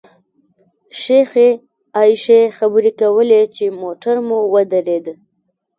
شیخې عایشې خبرې کولې چې موټر مو ودرېد.